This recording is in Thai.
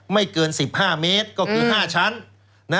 ไม่เกิน๑๕เมตรก็คือ๕ชั้น